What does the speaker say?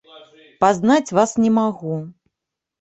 Пазнаць вас не магу.